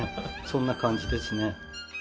そんな感じですね。